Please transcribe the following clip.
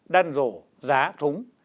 đan rổ giá thúng